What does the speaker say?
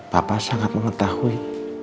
papa sangat mengetahui